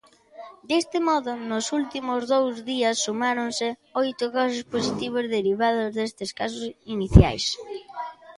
Deste modo, nos últimos dous días sumáronse "oito casos positivos derivados destes casos iniciais".